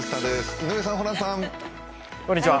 井上さん、ホランさん。